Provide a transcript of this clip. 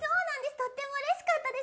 とってもうれしかったです。